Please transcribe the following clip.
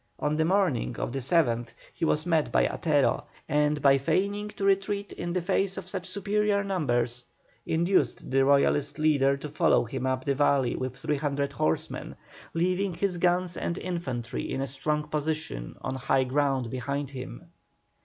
On the morning of the 7th he was met by Atero, and, by feigning to retreat in the face of such superior numbers, induced the Royalist leader to follow him up the valley with 300 horsemen, leaving his guns and infantry in a strong position on high ground behind him.